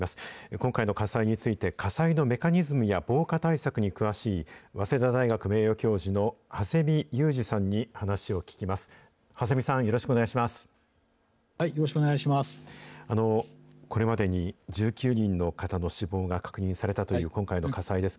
今回の火災について、火災のメカニズムや防火対策に詳しい早稲田大学名誉教授のはせみゆうじさんに話を聞きます。